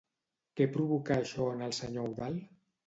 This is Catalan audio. Què provocà això en el senyor Eudald?